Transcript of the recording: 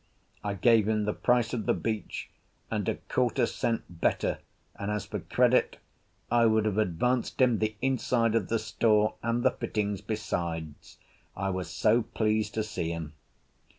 I gave him the price of the beach and a quarter cent better, and as for credit, I would have advanced him the inside of the store and the fittings besides, I was so pleased to see him.